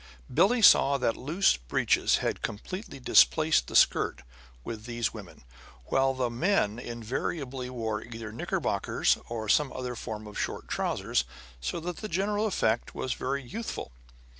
Billie saw that loose breeches had completely displaced the skirt with these women; while the men invariably wore either knickerbockers or some other form of short trousers; so that the general effect was very youthful.